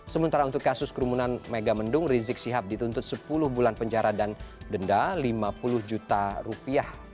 sementara untuk kasus kerumunan megamendung rizik sihab dituntut sepuluh bulan penjara dan denda lima puluh juta rupiah